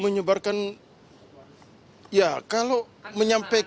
menyebarkan ya kalau menyampaikan